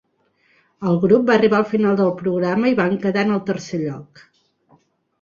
El grup va arribar al final del programa i van quedar en el tercer lloc.